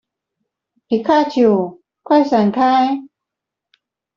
皮卡丘，快閃開